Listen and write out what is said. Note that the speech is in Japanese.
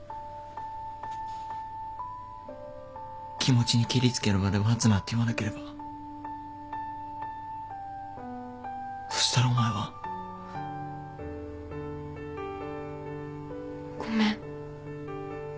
「気持ちにけりつけるまで待つ」なんて言わなければそしたらお前は。ごめん。